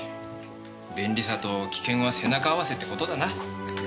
便利さと危険は背中合わせって事だな。